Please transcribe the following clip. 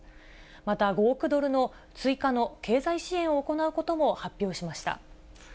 また、５億ドルの追加の経済支援を行うことも発表しました。